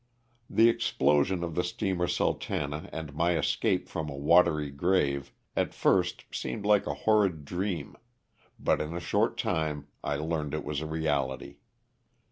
The explosion of the steamer Sultana and my escape from a watery grave at first seemed like a horrid dream, but in a short time I learned it was reality.